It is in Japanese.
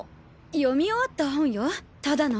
読み終わった本よただの。